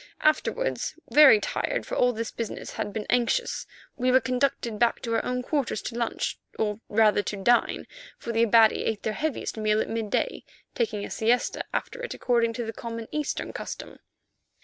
Afterwards, very tired, for all this business had been anxious, we were conducted back to our own quarters to lunch, or rather to dine, for the Abati ate their heaviest meal at midday, taking a siesta after it according to the common Eastern custom.